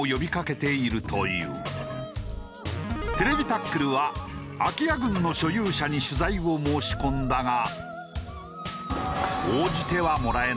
『ＴＶタックル』は空き家群の所有者に取材を申し込んだが。